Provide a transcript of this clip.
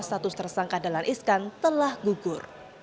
status tersangka dalan iskan telah gugur